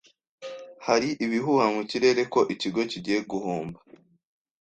Hari ibihuha mu kirere ko ikigo kigiye guhomba